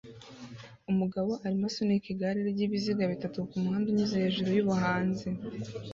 Umugabo arimo asunika igare ryibiziga bitatu kumuhanda unyuze hejuru yubuhanzi